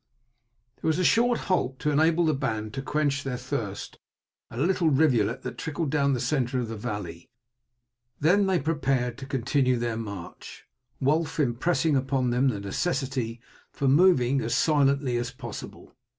There was a short halt to enable the band to quench their thirst at a little rivulet that trickled down the centre of the valley; then they prepared to continue their march, Wulf impressing upon them the necessity for moving as silently as possible.